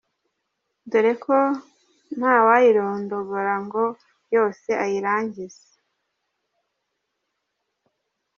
dore ko nta wayirondogora ngo yose ayirangize.